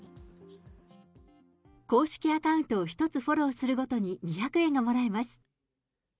公式アカウントを１つフォローするごとに２００円がもらえます。